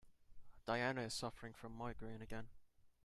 Diana is suffering from migraine again.